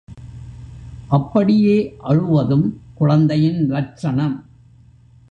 அப்படியே அழுவதும் குழந்தையின் லட்சணம்.